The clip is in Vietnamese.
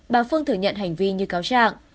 bị cáo phương thử nhận hành vi như cáo trạng